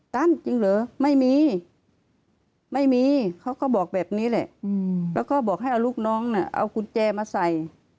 จริงเหรอไม่มีไม่มีเขาก็บอกแบบนี้แหละแล้วก็บอกให้เอาลูกน้องน่ะเอากุญแจมาใส่